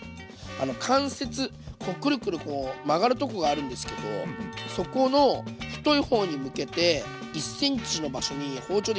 関節クルクルこう曲がるとこがあるんですけどそこの太い方に向けて１ｃｍの場所に包丁で切り込み入れていきます。